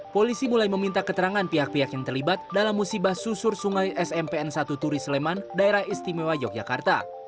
polisi mulai meminta keterangan pihak pihak yang terlibat dalam musibah susur sungai smpn satu turi sleman daerah istimewa yogyakarta